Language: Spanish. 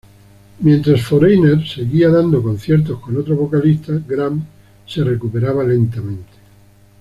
Mientras Foreigner seguía dando conciertos con otro vocalista, Gramm se recuperaba lentamente.